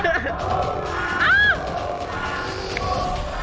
ถูก